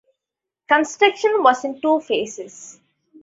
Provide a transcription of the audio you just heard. Construction was in two phases.